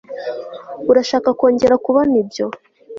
Urashaka kongera kubona ibyo